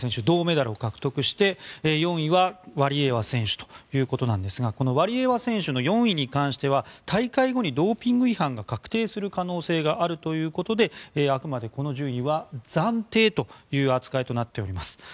銅メダルを獲得して４位はワリエワ選手ということなんですがこのワリエワ選手の４位に関して大会後にドーピング違反が確定する可能性があるということであくまでこの順位は暫定という扱いとなっております。